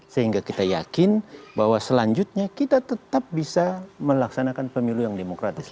sehingga kita yakin bahwa selanjutnya kita tetap bisa melaksanakan pemilu yang demokratis